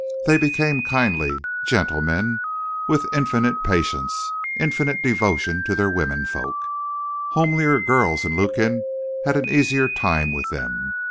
They became kindly, gentle men with infinite patience, infinite devotion to their "womenfolk." Homelier girls in Lukin had an easier time with them.